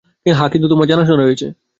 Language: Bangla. হ্যাঁ, কিন্তু তোমার তো জানাশোনা রয়েছে।